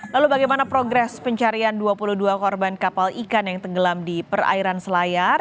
lalu bagaimana progres pencarian dua puluh dua korban kapal ikan yang tenggelam di perairan selayar